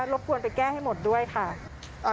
บกวนไปแก้ให้หมดด้วยค่ะ